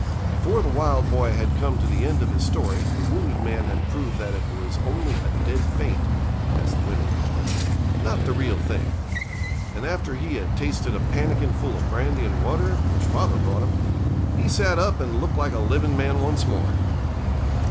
Before the wild boy had come to the end of his story the wounded man had proved that it was only a dead faint, as the women call it, not the real thing. And after he had tasted a pannikin full of brandy and water, which father brought him, he sat up and looked like a living man once more.